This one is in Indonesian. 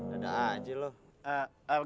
dadah aja lo